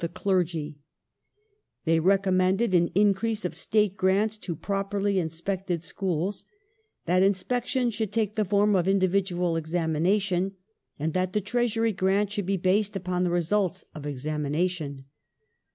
^^^^^ the clergy ;^ they recommended an increase of State grants to i86i properly inspected schools ; that inspection should take the form of individual examination, and that the Treasury Grant should be based upon the results of examination.